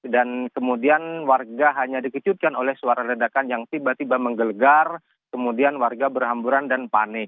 dan kemudian warga hanya dikecutkan oleh suara ledakan yang tiba tiba menggelegar kemudian warga berhamburan dan panik